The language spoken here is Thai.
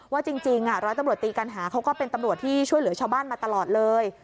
ว่าจริงร้อยตำรวจตีกัณหาเขาก็เป็นตำรวจที่ช่วยเหลือชาวบ้านมาตลอดเลย